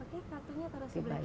kartunya taruh sebelah kiri